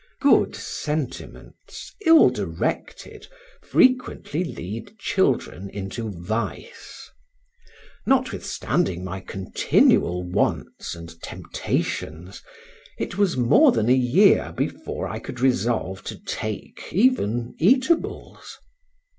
Good sentiments, ill directed, frequently lead children into vice. Notwithstanding my continual wants and temptations, it was more than a year before I could resolve to take even eatables.